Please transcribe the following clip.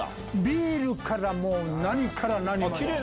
ビールから何から何まで。